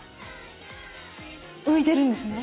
浮いてるんですね。